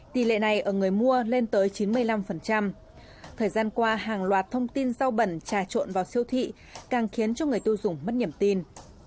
tỷ lệ này ở người mua lên tới chín mươi năm thời gian qua hàng loạt thông tin rau bẩn trà trộn vào siêu thị càng khiến cho người tiêu dùng mất niềm tin